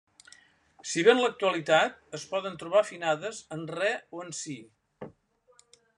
Si bé en l'actualitat es poden trobar afinades en Re o en Si.